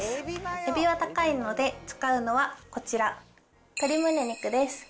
エビは高いので、使うのはこちら、鶏むね肉です。